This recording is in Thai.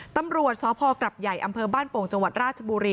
ตำรวจสพกรับใหญ่อำเภอบ้านโป่งจังหวัดราชบุรี